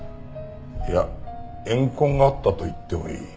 いや怨恨があったと言ってもいい。